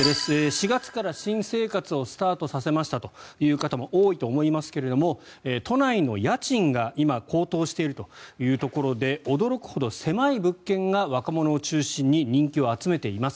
４月から新生活をスタートさせましたという方も多いと思いますけれど都内の家賃が今、高騰しているというところで驚くほど狭い物件が若者を中心に人気を集めています。